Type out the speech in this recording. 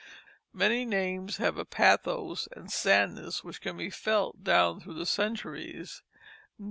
Many names have a pathos and sadness which can be felt down through the centuries.